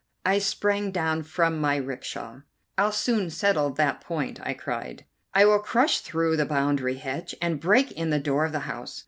I sprang down from my 'rickshaw. "I'll soon settle that point," I cried, "I will crush through the boundary hedge, and break in the door of the house.